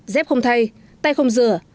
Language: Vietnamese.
dép không thay tay không rửa